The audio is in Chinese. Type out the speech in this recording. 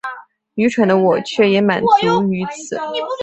愚蠢的我却也满足於此